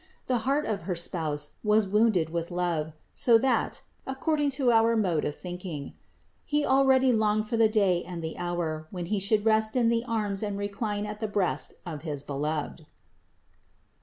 The heart of her Spouse was THE INCARNATION 45 wounded with love, so that (according to our mode of thinking") He already longed for the day and the hour when He should rest in the arms and recline at the breast of his Beloved.